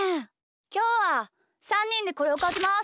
きょうは３にんでこれをかきます！